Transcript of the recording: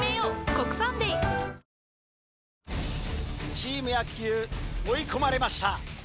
チーム野球追い込まれました。